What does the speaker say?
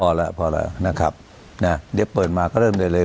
พอแล้วพอแล้วนะครับนะเดี๋ยวเปิดมาก็เริ่มได้เลย